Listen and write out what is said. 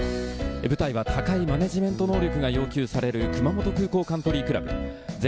舞台は高いマネジメント能力が必要とされる、熊本空港カントリークラブ。